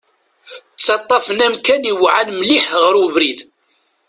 Ttaṭṭafen amkan iweɛɛan mliḥ ɣer ubrid.